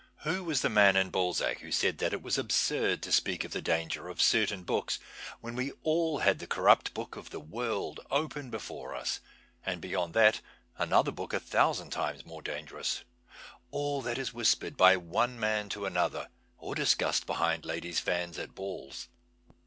Who was the man in Balzac who said that it was absurd to speak of the danger of certain books when we all had the corrupt book of the world open before us, and beyond that another book a thousand times more dangerous — all that is whispered by one man to another or discussed behind ladies' fans at balls